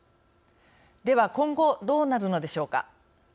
では、今後どうなるのでしょうか。